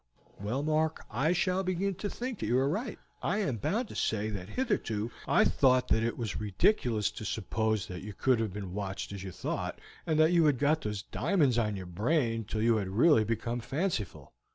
"Well, Mark, I shall begin to think that you are right. I am bound to say that hitherto I thought that it was ridiculous to suppose that you could have been watched as you thought, and that you had got these diamonds on your brain till you had really become fanciful.